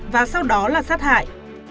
và sau đó là sát hại